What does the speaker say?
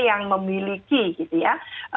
yang memiliki gitu ya